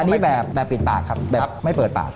อันนี้แบบปิดปากครับแบบไม่เปิดปาก